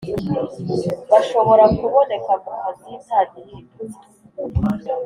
bashobora kuboneka mu kazi ntagihindutse